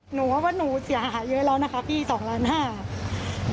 หนูว่าหนูเสียหายเยอะแล้วนะคะพี่๒๕๐๐๐๐๐บาท